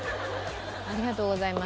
ありがとうございます。